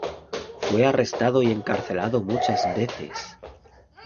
Fue arrestado y encarcelado muchas veces.